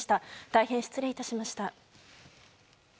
大変失礼致しました。